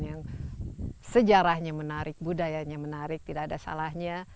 yang sejarahnya menarik budayanya menarik tidak ada salahnya